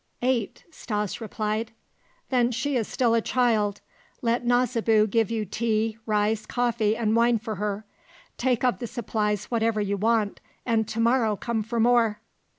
"Eight," Stas replied. "Then she is still a child Let Nasibu give you tea, rice, coffee, and wine for her. Take of the supplies whatever you want, and to morrow come for more."